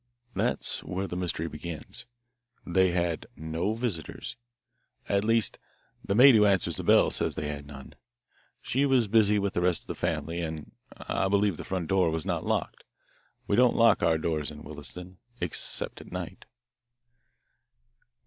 That's where the mystery begins. They had no visitors. At least, the maid who answers the bell says they had none. She was busy with the rest of the family, and I believe the front door was not locked we don't lock our doors in Williston, except at night."